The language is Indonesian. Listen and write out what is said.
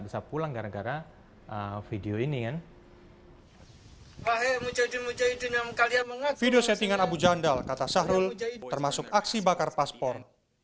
bisa pulang gara gara video ini kan video settingan abu jandal kata syahrul termasuk aksi bakar paspor